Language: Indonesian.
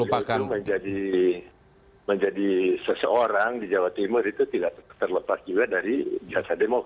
karena itu menjadi seseorang di jawa timur itu tidak terlepas juga dari jasa demokrat